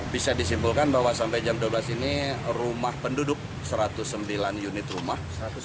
bisa disimpulkan bahwa sampai jam dua belas ini rumah penduduk satu ratus sembilan unit rumah